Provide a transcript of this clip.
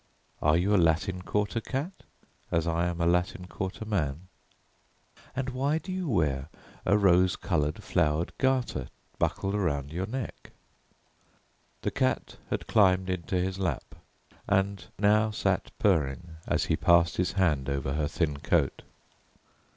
Are you a Latin Quarter cat as I am a Latin Quarter man? And why do you wear a rose coloured flowered garter buckled about your neck?" The cat had climbed into his lap, and now sat purring as he passed his hand over her thin coat.